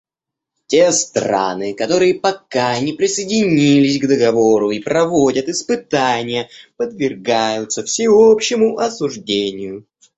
Те страны, которые пока не присоединились к Договору и проводят испытания, подвергаются всеобщему осуждению.